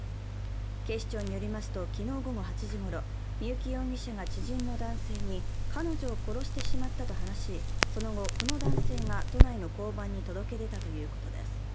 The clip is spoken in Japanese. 警視庁によりますと、昨日午後８時ごろ、三幸容疑者が知人の男性に彼女を殺してしまったと話しその後、この男性が都内の交番に届け出たということです。